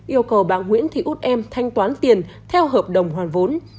yêu cầu bà nguyễn thị út em thanh toán tiền theo hợp đồng hoàn vốn